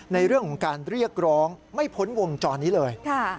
ในเรื่องของการเรียกร้องไม่พ้นวงจรนี้เลย